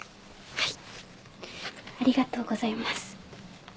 はい。